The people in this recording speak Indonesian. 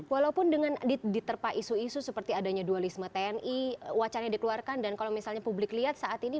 walaupun dengan diterpa isu isu seperti adanya dualisme tni wacana dikeluarkan dan kalau misalnya publik lihat saat ini